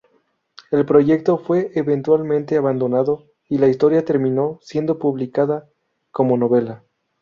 El proyecto fue eventualmente abandonado y la historia terminó siendo publicada como novela.